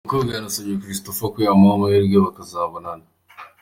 Uyu mukobwa yanasabye Christopher ko yamuha amahirwe bakazabonana.